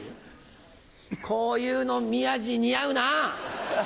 こういうの宮治似合うな。